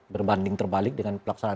berbanding terbalik dengan pelaksanaan